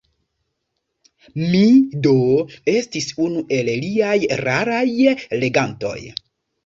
Mi do estis unu el liaj raraj legantoj.